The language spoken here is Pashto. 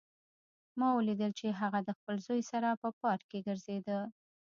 ما ولیدل چې هغه د خپل زوی سره په پارک کې ګرځېده